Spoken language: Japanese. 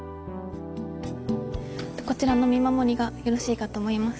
こちらの「御守」がよろしいかと思います。